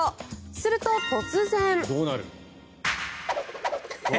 すると、突然。